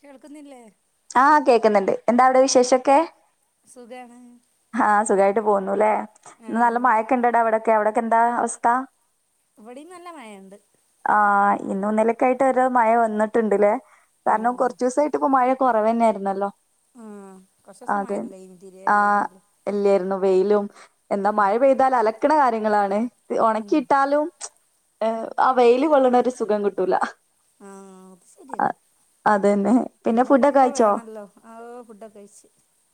കേൾക്കുന്നില്ലേ ആഹ കേക്കുന്നുണ്ട് എന്താ അവിടെ വിശേഷൊക്കെ സുഖാണ് ആഹ സുഖമായിട്ട് പോുന്നു അല്ലേ നല്ല ആഹ് മഴക്കെ ഇണ്ടടാ അവിടൊക്കെ അവിടൊക്കെ എന്താ അവസ്ഥ ഇവിടെയും നല്ല മഴുണ്ട് ആ ഇന്നന്നിലക്കായിട്ട് ഒരു മഴ വന്നിട്ടുണ്ട്ല്ലേ ഉം കാരണം കുറച്ച ദിവസമായിട്ട് ഇപ്പ മഴ കുറവ തന്നെയായിരുന്നല്ലോ ആഹ കസ സമായില്ല ഇന്തിരില്ലല്ല എല്ലായിരുന്നു വെയിലും എന്താ മഴ പെയ്താൽ അലക്കണ കാര്യങ്ങളാണ് ഉം ഉണക്കിയിട്ടാലും ആ വെയില് കൊള്ളണ ഒരു സുഖം കിട്ടൂല ആഹ ത് ശരിയന്ന അത തന്നെ പിന്നെ ഫുഡൊക്കെ കയിച്ചോ ആഹ് ഫുഡൊക്കെ കഴിച്ച്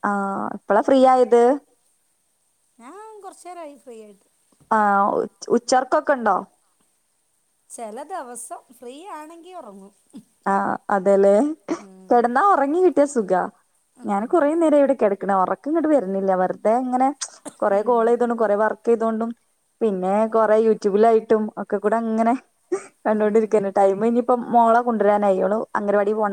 ആ എപ്പളെ ഫ്രീ ആയത് ഞാൻ കൊറച്ച നേരയി പോയി ആായിട്ട് ആഹ ഉച്ചർക്കൊക്കെ ഉണ്ടോ ചില ദിവസം ഫ്രീ ആണെങ്കി ഉറങ്ങും ആഹ അതല്ലെ ഉം കിടന്നാ ഉറങ്ങി കിട്ടിയ സുഖ ഉം ഞാൻ കുറെേ നേരം ഇവിടെ കിടക്കണ ഉറക്ക ഇങ്ങട്ട് വരുന്നില്ല അവഞ്ഞ അത ഇങ്ങനെ കൊറെ ഉം കോൾ ചെയ്ത കൊണ്ടും കൊറ വർക്ക് ചെയ്തൊണ്ടും പിന്നെ കൊറെ യൂട്യൂബിലായി ഒെ കൂടെ അങ്ങനെ ഉം കണ്ടൊണ്ടിരിക്ക ടൈ ഇനിയിപ്പോ മോള ണ്ടാന അവാടി പോ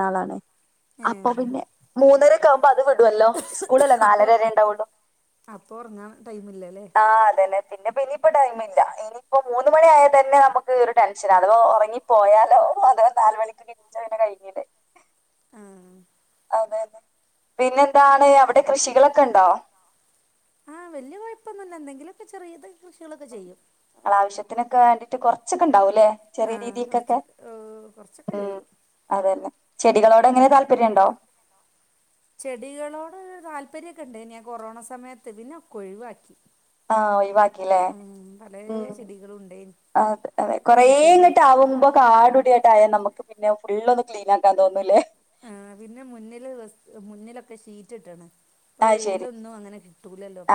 ആ ഏഹ് അെ അ അത് വിടുല്ലോ സ്കൂളല്ലോ നാലരര ഉണ്ടാവടും ടൈമ ഇല്ലല്ലേ പിന്നപ്പൊ ഇനിയിപ്പോ ടൈമ ഇല്ല ഇനിയിപ്പോ മൂന്നു മണിയ ആായൽ തന്നെ നമുക്ക് ഒരു ടെൻഷൻ അഥവാ ഉറങ്ങിപ്പോയാലോ ഓ അത നാലല് മണിക്ക് കഴനെ കഴിഞ്ഞില്ലേ ആഹ അതതെ പിന്നെ എന്താണ് ആഹ വല്ിയ കുഴപ്പൊന്നുമല്ല എന്തെങ്കിലുമൊക്കെ ചെറിയത് കൃഷികളൊക്കെ ചെയ്യും നളെ ആാവശ്യത്തിനൊക്കെ വേണ്ടിട്ട് കൊറച്ചൊക്കെ ഉണ്ടാവുംല്ലെ ആ ചെറിയ രീതിക്കൊക്കെ കുറച്ചൊക്കെ കുറച്ചൊക്കെ ഉം ചെയ്യും അതന്നെ ചെടികളോട് എങ്ങനെ താല്പര്യംണ്ടോ ചെടികളോട് താല്പര്യമൊക്കെ ഉണ്ട്നി ാൻ കൊറോണ സമയത്ത് പിന്നെ ഒ ഒഴിവാക്കി ആഹ ഒഴിവാക്കില്ലേ ഉം, പല ഉ ചെടികളും ഉണ്ടായിന് അതെ അതെ അപ്പോൾ പിന്നെ ചെടിയ കൊറെേങ്ങോട്ട് ആകുമ്പോ കാടുടിയായിട്ട ആയാ നമുക്ക് പിന്നെ ഫള് ഒന്ന് ക്ലീൻ ആക്കാൻ തോന്നൂില്ലേ ആ പിന്നെ മുന്നിൽ മുന്നിലൊക്കെ ഷീറ്റ് ഇട്ടാണ് അപ്പൊ അത് ശരി വെയിലൊന്നും അങ്ങനെി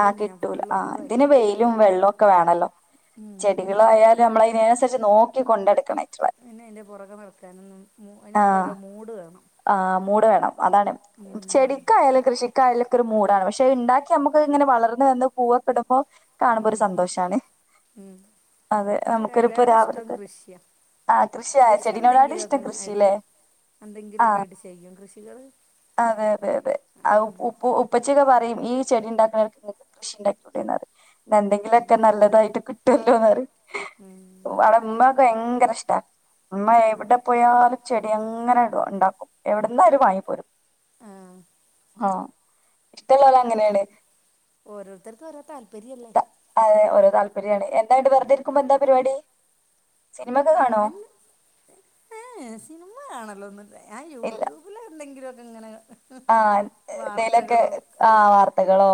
ആഹ് കിട്ടൂല ആ് ഇതിന് വെയിലും വെള്ളവും ഒക്കെ വേണല്ലോ ഉം. ചെടികളായാലും നമ്മള അതിനനുസരിച്ച് നോക്കി കൊണ്ടെടുക്കണം പിന്നെ അതിന്റെ പുറകെ വറക്കാന അതിനൊക്കെ ഒരുരോ മൂട്് വേണം ആ് മൂട് വേണം അതാണ് ഉം. ചെടിക്കായാലും കൃഷി കായലൊക്കെ ഒരു മൂടാണ് പക്ഷെ ണ്ടാക്കി അമ്മുക്ക് ഇങ്ങനെ വളർന്ന് വന്ന് പൂവൊെടുമ്പോ കാണുമ്പോ ഒരു ഉം. സന്തോഷാണ് ഉം അതെ എനിക്ക് നമുക്കൊരിപ്പോൊ അതിലേറെ ഇഷ്ടം രാവിലത്തെെ കൃഷിയാണ് ആഹ് കൃഷിയായ കൃഷി ചെടിനോടാട് എന്തെങ്കിലുമൊക്കെ ഇഷ്ടം ഇങ്ങ- കൃഷില്ലേ ആ എന്തെങ്കിലുമൊക്കെ ആട്ട് ചെയ്യും കൃഷികൾ അതെ അതെ അതെ ആഹ് ഉപ്പ് ഉപ്പച്ചൊക്കെ പറയും ഈ ചെടി ഉണ്ടാക്കണ്ക്ക് ങ്ങക്ക് കൃഷി ണ്ടാക്കിക്കൂടെ നറിം ന്ന ന്തെങ്കിലൊക്കെ നല്ലതായിട്ട് കി ഉം [unintelligible] അടെ മ്മക്കെ ഭയങ്കര ഇഷ്ടാ അ്മ്മ എവിടെ പോയാലും ചെടി അങ്ങനെ ടും ണ്ടാക്കും എവിടുന്നലും വങ്ങിപോരും ആഹ് ഹാ ഇഷ്ടല്ലോല് ഓ അങ്ങനെയാണ് ഓരോരുത്തർക്കും ഓരോ താല്പര്യല്ലേ അതെ ഓരോ താല്പര് ബിരിയാണി എന്താണ്ട് വെറുതെ ഇരിക്കുമ്പോ എന്താ പരിപാടി സിനിമ ഒക്കെ കാണോ അങ്ങന ഏ സിനിമ കാണല്ലോ ഒന്നും ഞാൻ യൂട്യൂബിൽ എന്തെങ്കിലും ആ എന്തേലൊക്കെ ആ് വാർത്തകളോ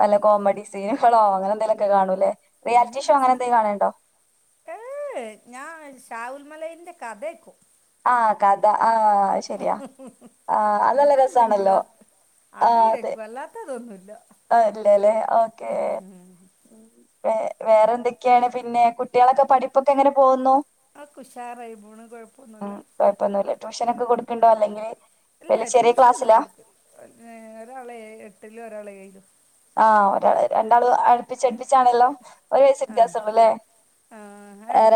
നല്ല കോമഡീ സീനുകളോ അങ്ങനെ എന്തേലുംക്കെ കാണൂല്ലേ റിയാലിറ്റി ഷോ ഇന്നെന്താ അങ്ങനെ എന്തെങ്കിലും കാണലുണ്ടോ ഏ ഞാ ഷാഹ മലയിന്റെ കഥക്കോ ആ കഥ ആ. നല്ല അങ്ങനെ എന്തെങ്കിലും രസാണല്ലോ അ അത് കേക്കും അല്ലാത്തതൊന്നുല്ല ല്ലേല്ലേ ഓക്കേ. വ വേറെ എന്തൊക്കെയാണ് പിന്നെ കുട്ടികളൊക്കെ പഠിപ്പൊക്കെ എങ്ങനെ പോകുന്നു? ആ ഉഷാറായി പോണ് കൊഴപ്പൊന്നുല്ല. ട്യൂഷനോക്കെ കൊടുക്കുണ്ടോ അല്ലെങ്കിൽ ഇല്ല ട്യൂഷന ഒന്നും കൊടുക്ക ഒരാളെ എട്ടിലും ഒരാളെ ഏഴിലും. ആ ഒരാള് രണ്ടാളും അടുപ്പിച്ചടുപ്പിച്ചാണെല്ലോ ഒരു വയസ് വ്യത്യാസള്ളൂല്ലേ? ആ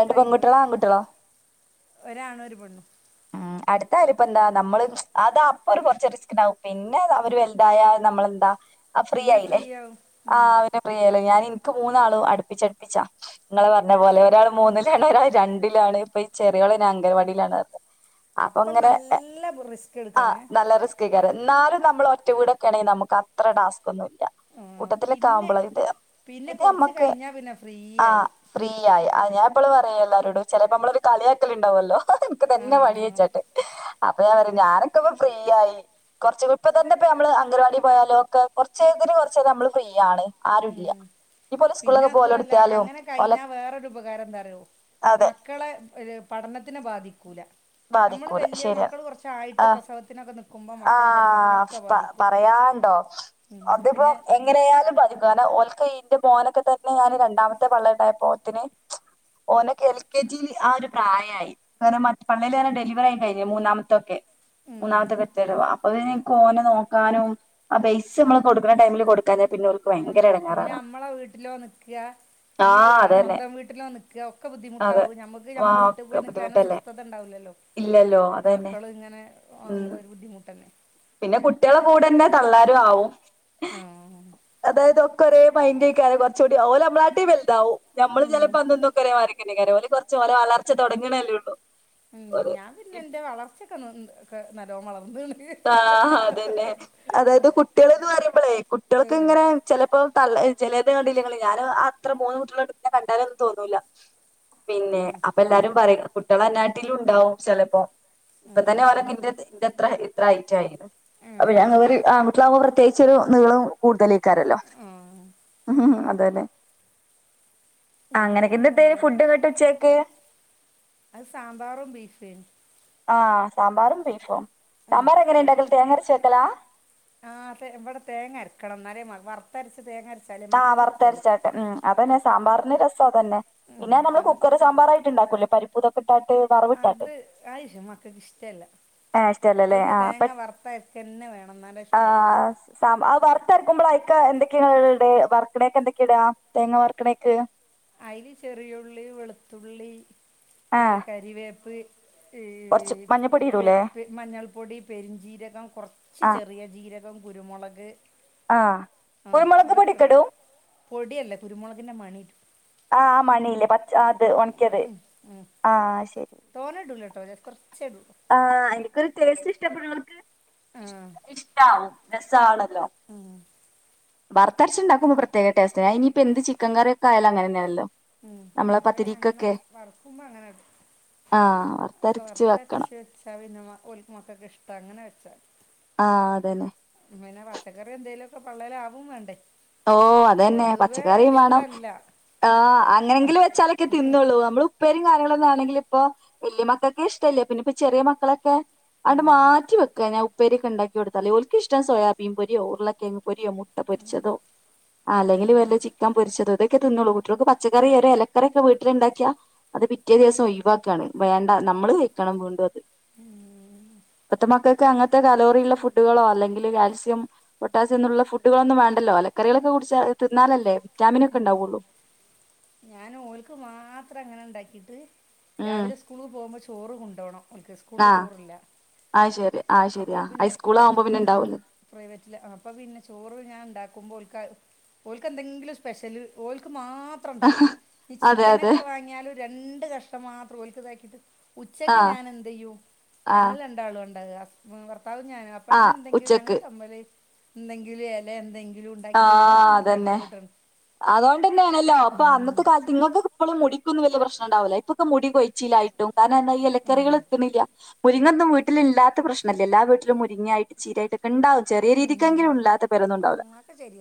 രണ്ട് പോയി പെൺകുട്ടികളോ ആൺകുട്ടികളോ ഒരാണും ഒരു പെണ്ണും. അടുത്തആയല ഇപ്പ എന്താ നമ്മള് അത് അപ്പൊ ഒരു കുറച്ച് റിസ്ക് ണ്ടാവും പിന്നെ അവരവൽതായ എന്തായ നമ്മളെന്താ ഫ്രീ പിന്നെ ആയില്ലേ ആവും ആ ഉം ആയില്ലോ ഞാന് നക്ക് മൂന്നാളും അടുപ്പിച്ചടുപ്പിച്ചാ നിങ്ങള് പറഞ്ഞ പോലെ ഒരാള് മുന്നിലാണ് ഒരാൾ രണ്ടിൽ. ഇപ്പൊ ഈ ചെറിയൂള് അംഗരവാടിയിലാണ്ത്. അപ്പൊ നല്ല റിസ്ക് എടുക്കണേ. ക്കെക്കാരം എന്നാലും നമ്മൾ ഒറ്റ വീടൊക്കെ ആണെങ്കി നമുക്ക് അത്ര ടാസ്കന്നു. ആഹ് കൂട്ടത്തിലൊക്കെ പിന്നെ ആകുമ്പോള ഇത് പിന്നെ ഇത് കൊറച്ച് അമ്മക്ക് കഴിഞ്ഞാ പിന്നെ ഫ്രീ ആ ആയി ഫ്രീ ആയ. ആ ഞൻ ഇപ്പള് പറയാ എല്ലാരോടും ചിലപ്പോ നമ്മളൊ ഒരു കളിയാക്കലിണ്ടാവല്ലോ നക്ക് ഇതന്നെ പണി ആഹ് ചോയിച്ചട്ട അപ്പൊ ഞാ പറ ഞാനൊക്കെ ഇപ്പ ഫ്രീ ആയി. കുറച്ച ഇപ്പ തന്നെപ്പ നമ്മള് അംഗൻവാടി പോയാലും ഒക്കെ. കുറച്ചതിന് കൊറച്ച നമ്മള് ഫ്രീയാണ് ആരുല്ല. ഉം ഇനിയിപ്പോ ഓല് പിന്നെ സ്കൂളിലൊക്കെ അതും അല്ല പോവലൊടത്തിയാലും അങ്ങനെ ഓലെ കഴിഞ്ഞാ വേറൊരു ഉപകാരം എന്താറോ അതെ മക്കളെ ഒര് പഠനത്തിനെ ബാധിക്കൂല. നമ്മള് ബാധിക്കൂല വലിയ, ശരിയാണ് മക്കള് കുറച്ചായിട്ട് ആഹ് പ്രസവത്തിനൊക്കെ നൽക്കുമ്പോൾ മക്കളെ പഠനത്തിനൊക്കെ ബാധിക്കും. ണ്ടോ ഉം അതിപ്പോ പിന്നെ എങ്ങനായാലുംബാധിക്കും കാരണം ഓല് ഇന്റെ മോനൊക്കെ തന്നെ ഞാന് രണ്ടാമത്തെ പള്ളീൽ ഇണ്ടായപ്പോ, തിന് ഓനക്ക എൽ കെ ജിൽ ആ ഒരു പ്രായമായി കാരണം മറ്റ് പള്ളിൽ തന്നെ ഡെലിവർ ആയി കഴിഞ്ഞു മൂന്നാമത്തൊക്കെ ഉം മൂന്നാമത്തെ [unintelligible] അക്ക് നെ നോക്കാനും ആ പൈസ് നമ്മള് കൊടുക്കുന്ന ടൈമില് കൊടുക്കാന പിന്നെ ഉ ഭയങ്കര പിന്നെ എടങ്ങേറാണ് നമ്മളെ വീട്ടിലോ നിക്കുക ഈ ആ അതന്നെ സ്വന്തം വീട്ടിലോ നിക്കുക ഒക്കെ അതെ ബുദ്ധിമുട്ടാവും നമ്മുക്ക് ആ മ്മളെ വീട്ടിൽ ഒക്കെ പോയി നൽക്കാനും ബുദ്ധിമുട്ടല്ലേ സ്വസ്ഥത ഉണ്ടാവും. ണ്ടാവുല്ലല്ലോ ഇല്ലല്ലോ അതന്നെ മക്കൾ ഇങ്ങനെ ഉം ആവുമ്പോ ഒരു ബുദ്ധിമുട്ടന്നെ. കൂടെ ന്നെ തള്ളാരും ആവും. ആ അതായത്, കുറെേ മൈൻഡ് ഏക്കാരം കുറച്ചൂടി ഓര് നമ്മളാട്ടി വല്തവും. ഉം പോലെ കുറച്ച് ഒരേ വളർച്ച തുടങ്ങണേല്ലേ ഉള്ളൂ. ഉം ഓല് ഞാൻ പിന്നെ എന്റെ വളർച്ചയൊക്കെ [unintelligible] നല്ലോം വളർ [inaudible] ആഹാ അതന്നെ അതായത് കുട്ടികൾന്ന് പറയുമ്പോളേ കുട്ടികൾക്ക് ഏഹ് ഇങ്ങനെ ചിലപ്പോ തള്ള ചിലതെ കണ്ടില്ലെങ്കെ ഞാൻ ആ അത്ര മൂന്ന് കുട്ടികോ പിന്നെ കണ്ടാലൊന്നും തോന്നൂില്ല. പിന്നെ ഉം അപ്പൊ എല്ലാരും പറയും കുട്ടികള അന്നാട്ടിലും ണ്ടാവും ചിലപ്പോ. ഇപ്പ തന്നെ ഉം അവരൊക്കെ ൻ്റെ അത്ര ഹൈറ്റ് ആയി. ഉം പ്രത്യേകിച്ചരു നീളം കൂടുതലക്കാരല്ലോ. ഉം ഉം അതന്നെ. ആ ഇങ്ങനെയൊക്കെ അങ്ങനൊക്കെ ഇന്ന് എന്തേ പോണല്ലേ ഫുഡ് ഇങ്ങോട്ട് ഉച്ചക്ക് അത് സാമ്പാറും ബീഫും ആ സാമ്പാറും ബീഫും. സാമ്പാർ എങ്ങനെണ്ടാകാൽ തെങ്ങരച് വക്കലാ? ആഹ് ഇവിടെ തേങ്ങ അരക്കണം എന്നാലേ വറുത്തരച്ച് തേങ്ങ, അരച്ചാലേ ആഹ് മക്കൾക്ക് ഇഷ്ടമുള്ളൂ വർത്തരച്ചാട്ടെ ഉം അതന്നെയാ സാമ്പാറിന്റെ രസം. തന്നെ ഉം പിന്നെ നമ്മള് അത് കുക്കർ സാമ്പാർ ആയിട്ട് ഉണ്ടാക്കൂല്ലേ പരിപ്പൂതൊക്കെ അത് ആയിഷ് മക്കൾക്ക് ഇഷ്ട്ടല്ല. ആ് ഇഷ്ടല്ലല്ലേ ആ വേണം എന്നാലേ ഇഷ്ടള്ളൂ [unintelligible] രക്കുമ്പോൾ അയക്ക എന്തൊക്കെയിട വർക്കണയൊക്കെ എന്തൊക്കെ ഇടാ തേങ്ങ വർക്കണയ്ക്ക് അയിൽ ചെറിയുള്ളി വെളുത്തുള്ളി ഏ ആഹ് കരിവേപ്പ്. ഈ കൊറച്ച് മഞ്ഞപ്പൊടി ഇടൂലേ മഞ്ഞൾപ്പൊടി പെരുഞ്ചീരകം കുറച്ച് ചെറിയ ജീരക കുരുമുളക് ആ ആഹ് കുരുമുളക് അതൊക്കെ ഇടും പൊടിക്കെടും പൊടിയല്ല കുരുമുളകിന്റെ മണി ആ മണില്ലേ പ അത് ഉണക്കയത് ആ ശരി തോനേം ഇടൂല കേട്ടോ കുറച്ചേ ഇടു ആ എനിക്കൊരു ടേസ്റ്റ് ഇഷ്ടപ്പെടുന്നവർക്ക് ആഹ് ഇഷ്ടമാവും രസമാണ് ഉം വറത്തരച്ച് ഉണ്ടാക്കുമ്പോ പ്രത്യേക ടേസ്റ്റാ ഇനിപ്പംഎന്ത് ചിക്കൻ കറി അയാലങ്ങനെ തന്നെയല്ലോ ഉം അപ്പൊ അങ്ങനെ വറക്കുമ്പോ അങ്ങനെ ആ വറത്തരച്ച് വെക്കണം മക്കക്കൊക്കെ ഇഷ്ടാ അങ്ങനെ വെച്ചാൽ ആ അത് തന്നെ പിന്നെ പച്ചക്കറി എന്തേലും ഒക്കെ പള്ളേൽ ആവും വേണ്ടേ ഓ അത് തന്നെ പൊതുവേ പച്ചക്കറിയും വേണം ഇഷ്ടമല്ല ആ അങ്ങനെങ്കിലും വെച്ചാലൊക്കെ തിന്നോള്ളും നമ്മൾ ഉപ്പ കാര്യങ്ങളൊന്നുമല്ലെങ്കിലും ഇപ്പൊ വലിയ മക്കൊക്കെ ഇഷ്ടല്ലേ പിന്ന ഇപ്പൊ ചെറിയ മക്കളൊക്കെ അത് ഉം, മാറ്റി വെക്കന ഉപേരിയൊക്കെ ഉണ്ടാക്കിടുത്താലേ ഒർക്ക് ഇഷ്ടമാ സോയാബീൻ പൊരിയോ ഉരുളക്കിഴങ്ങ് പൊരിയോ മുട്ട പൊരിച്ചതോ ആ ഉം, അല്ലെങ്കിൽ വല്ല ചിക്കൻ പൊരിച്ചതോ അതെ തിന്നു കുട്ടികൾക്ക് പച്ചക്കറി ഇലക്കറി ഒക്കെ വീട്ടിൽ ഉണ്ടാക്കിയ അത് പിറ്റേ ദിവസം ഒഴിവാക്കാണ് വേണ്ട നമ്മള് വക്കണംണ്ട അത് ഉം, മത്തമാക്ക [unintelligible] ക്ക് അങ്ങനത്തെ കലോറിയുള്ള ഫുഡുകളോ അല്ലെങ്കിൽ കാൽസ്യം പൊട്ടാസ്യംഎന്നുള്ള ഫുഡുകളോ ഒന്നും വേണ്ടല്ലോ അല്ലെ കറികളൊക്കെ കുടിച്ച തിന്നാലല്ലേ വിറ്റാമിന ഒക്കെ ഉം. ഉണ്ടാവുള്ളൂ ഞാൻ ഓല്ക്ക് മാത്രം അങ്ങനെ ഉണ്ടാക്കിട്ട് ഉം രാവിലെ സ്കൂളിൽ പോകുമ്പോ ചോറ് കൊണ്ടുപോകണം ഒനിക്ക് സ്കൂളില് ആഹ് ചോറില്ല ആഹ് ശരി ആഹ് ശരി അപ്പം ആഹ് പിന്നെ ഹൈസ്കൂൾ ആവുമ്പോ ബസും പിന്നെ ഉണ്ടാവൂലോ പ്രൈവറ്റില് അപ്പം പിന്നെ ചോറ് ഞാൻ ഉണ്ടാക്കുമ്പോൾക്കാ ഓക്ക് എന്തെങ്കിലും സ്പെഷ്യല്ഓക്ക് മാത്രം ഉണ്ടാക്കും ഈ അതെ അതെ ചിക്കനൊക്കെ വാങ്ങിയാലും രണ്ട് കഷ്ണം മാത്രം ഓൾക്ക് ഇതാക്കീട്ട് ഉച്ചക്ക് ആഹ് ഞാൻ എന്ത് ചെയ്യും ഞങ്ങൾ ആഹ് രണ്ടാളും ഉണ്ടല്ലോ അപ്പ ഇതിന ആഹ് എന്തെങ്കിലും ഞങ്ങൾ ഉച്ചക്ക് എന്തെങ്കിലും എല എന്തെങ്കിലും ആ ഉണ്ടാക്കി ഞങ്ങൾ അങ്ങനെ തട്ടി അതന്നെ കൂട്ടണം അതുകൊണ്ടന്നെയാണല്ലോ അപ്പൊ അന്നത്തെ ഉം കാലത്ത് നിങ്ങൾക്ക് ഇപ്പോഴും മുടിക്കൊന്നും വലിയ പ്രശ്നം ഉണ്ടാവില്ല ഇപ്പൊക്ക മുടി കൊഴിച്ചിയിലായിട്ടും കാരണം എന്താ ഈ ഉം ഇലക്കറികൾ എത്തുന്നില്ല മുരിങ്ങൊന്നും വീട്ടിലില്ലാത്ത പ്രശ്നമില്ലാ എല്ലാ വീട്ടിലും മുരിങ്ങായിട്ട് ചീരയായിട്ട് ഉണ്ടാവും ചെറിയ രീതിക്കെങ്കിലും ഇല്ലാത്ത പെരയൊന്നും ഉണ്ടാവില്ല ശരി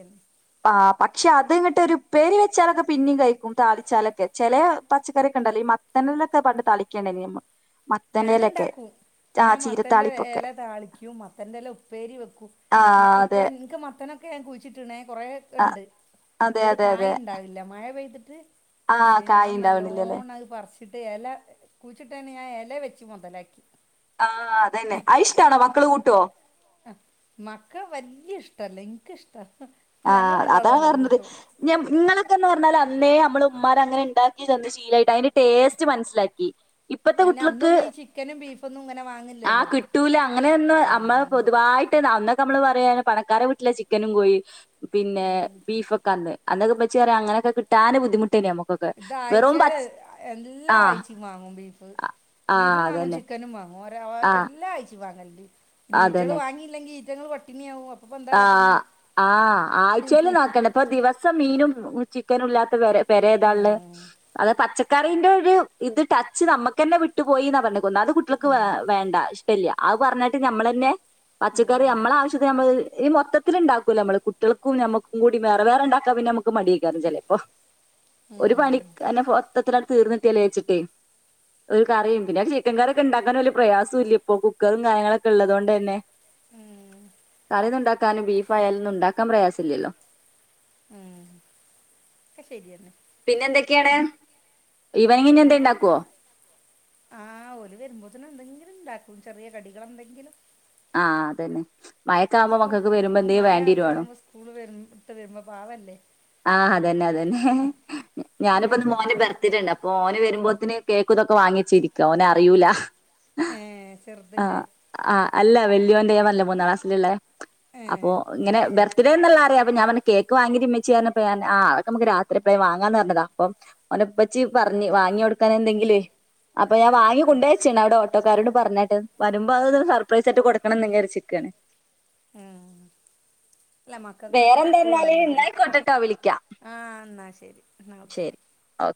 ആ പക്ഷെ അത് ഇങ്ങനട്ട് ഒരു ഉപ്പേരി വെച്ചാലൊക്കെ പിന്നെയും കഴിക്കും താളിച്ചാലൊക്കെ ചെല പച്ചക്കറി ഒക്കെ ഉണ്ടല്ലോ ഈ തന്നലൊക്കെ പണ്ട് തളിക്കേണ്ടേ നിയമ്മ ഞാൻ ണ്ടാക്കും ഞാൻ മത്തന്റെ ചീരത്താളിപ്പൊക്കെ എല താളിക്യും മത്തന്റെല ഉപ്പേരി വെക്കും ആ ഞ ഇപ്പൊ അതെ ഇൻക്ക് മത്തനൊക്കെ ഞാൻ കുഴിച്ചിട്ട് ട്ട്ണ് ആ കൊറേക്കണ്ട് അതെ ന്ന്ട്ട് അതെ അതെ കായ്ണ്ടാവില്ല മഴ പെയ്തിട്ട് ആ ശെ കായ ഞാൻ ഉണ്ടാവണില്ലല്ലേ നല്ലോണ്ണം അത് പറിച്ചിട്ട് എല കുഴിച്ചിട്ടേനെ ഞാൻ എല ല വെച്ച് മുതലാക്കി ആ അതന്നെ അയ്ഷ്ടാണോ മക്കള് കൂട്ടോ ആ മക്കള് വല്ല്യ ഇഷ്ടല്ല ഇൻക് ഷ്ട് ആ അതാ പറഞ്ഞത് ഞ ങ്ങളൊക്കെന്ന് പറഞ്ഞാല അന്നേ അമ്മള് ഉമ്മാര് അങ്ങനെ ണ്ടാക്കി തന്ന് ശീലായിട്ട് അയ്ന്റെ ടേസ്റ്റ് മനസ്സിലാക്കി ഇപ്പത്തെ അതിന് കുട്ടിൾക്ക് അന്നൊന്നും ഈ ചിക്കനും ബീഫൊന്നും ഇങ്ങനെ ആ വാങ്ങില്ലല്ലോ കിട്ടൂല അങ്ങനെയൊന്ന് അമ്മൾ ആ പൊതുവായി ട്ട അന്നൊക്കെ നമ്മള് പറയും പണക്കാരുടെ വീട്ടിലാ ചിക്കനും കോഴി പിന്നെ ബീഫൊക്കെ അന്ന് അന്നൊക്കെ ഉമ്മച്ചി പറയും അങ്ങനൊക്കെ കിട്ടാൻ ബുദ്ധിമുട്ട് ഇത് അഴ്ചയില് എല്ലാ ആ ആഴ്ച്ച വാങ്ങും ബീഫ് ആ ആ ബീഫും വാങ്ങും അതന്നെ ചിക്കനും വാങ്ങും ആ എല്ലാം അഴ്ച്ചയിലും വാങ്ങല് ഉണ്ട് നീറ്റകൾ അതന്നെ വാങ്ങിയില്ലെങ്കിൽ ഈറ്റങ്ങൾ പട്ടിണിയ ആകും ആഹ് ആഹ് ആഴ്ചൽ നോക്കണ്ട ഇപ്പൊ ദിവസം മീനും ചിക്കനും ഇല്ലാത്ത പേര ഏതാ ഉള്ള ഉം, അത പച്ച കറിന്റെ ഒരു ഇത് ടച്ച് നമ്മുക്ക്ന്നെ വിട്ടു പോയി എന്ന്ന് പറഞ്ഞ് ഒന്നാമത് അത് കുട്ടികൾക്ക് ഉം, വേണ്ട കല്ല അത് പറഞ്ഞിട്ട് നമ്മൾ തന്നെ പച്ചക്കറി ഉം, നമ്മളെ ആവശ്യത്തിന് നമ്മള് ഇനി മൊത്തത്തില ഉണ്ടാക്കൂല്ല നമ്മ കുകൾക്കും നമ്മുക്കും കൂടി വേറെ വേറെ ഉണ്ടാക്കാ പിന്നെ നമുക്ക് മടി ആക്കാരം ചെലപ്പം ഇപ്പൊ ഒരു പണി ഉം, ക്ക മൊത്തത്തിലങ്ങ് തീർന്ന് കിട്ടായൽ വച്ചിട്ടെ ഒരു കറിയും പിന്നെ ചിക്കൻ കറിയൊക്കെ ഉണ്ടാക്കാൻ വലിയ പ്രയാസം ഇല്ല ഇപ്പൊ കുക്കറും കാര്യങ്ങളൊക്കെ ഉള്ളത കൊണ്ട് തന്നെ ഉം കറിന്നുണ്ടാക്കാനും ബീഫ് അയാലു ഒന്നും ഉണ്ടാക്കാൻ പ്രയാസില്ലല്ലോ ഉം ശരിയന്നെ എന്തോക്കെയാണ് ഇവനിങ്ങിന് എന്തേലും ഇണ്ടാക്കുവോ ആഹ് ഓരു വരുമ്പോത്തനെ എന്തെങ്കിലും ഉണ്ടാക്കും ചെറിയ കടികളെ എന്തെങ്കിലും ആഹ് അതന്നെ മഴൊക്കെ ആവുമ്പോ സ്കൂൾ മക്കൾക്ക് വരുമ്പോ എന്തേലും മഴ വേണ്ടി ഒക്കെ വരുവാണോ ആവുമ്പോ സ്കൂൾ വരു ഇട്ട് വരുമ്പോ പാവല്ലേ ആഹ് അതന്നെ അതന്നെ ഞാനിപ്പ മോന് എന്തെങ്കിലുമൊക്കെ ബർത്തിട്ടുണ്ട് അപ്പൊ മോന് വരുമ്പോ ന് കേക്ക ഇതൊക്കെ വാങ്ങിച്ചിരിക്കുവ ഓനെ അറിയൂല ഏഹ് ചെറുതിന്റെ ആഹ് ആഹ് അല്ല വല്യോന്റെ ഞാൻ പറഞ്ഞില്ലെ മൂന്നാം ക്ലാസിലല്ലേ ഏ അപ്പൊ ഇങ്ങനെ ഞാൻ ചില ബെർത്ത്ഡേ എന്നല്ല അറിയാം അപ്പൊ ഞാൻ കേക്ക് വാങ്ങി ച്ചി എന്ന് പറഞ്ഞപ്പോ ആതൊക്കെ നമുക്ക് രാത്രി പോയി വാങ്ങാന്ന് പറഞ്ഞതാ അപ്പൊ ഒനെപ്പച്ചി പറഞ്ഞ് വാങ്ങി കൊടുക്കാൻ എന്തെങ്കിലു വേ അപ്പൊ ഞാൻാ വാങ്ങി കോണ്ടോന്ന് വെച്ചേ അവിടെ ഓട്ടക്കാരോട് പറഞ്ഞ കേട്ട് വരുമ്പോ അത് സർപ്രൈസ ആായിട്ട് കൊടുക്കണം എന്ന് വിചാരിച്ച് നിക്കുവാണ് ഉംഅല്ല മക്കൊക്കെ ഇഷ്ടമാണല്ലോ ചെറിയ ട്ടോ വിളിക്ക ആ എന്നാൽ ശരി എന്നാൽ ഓക്കെ ശരി ഓ